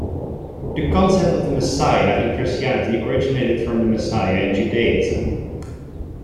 The concept of the Messiah in Christianity originated from the Messiah in Judaism.